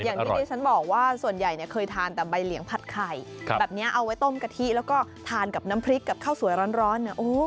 อย่างที่ดิฉันบอกว่าส่วนใหญ่เนี่ยเคยทานแต่ใบเหลียงผัดไข่แบบนี้เอาไว้ต้มกะทิแล้วก็ทานกับน้ำพริกกับข้าวสวยร้อน